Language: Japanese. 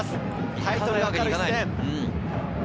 タイトルのかかる一戦。